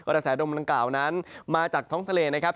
กระแสดมดังกล่าวนั้นมาจากท้องทะเลนะครับ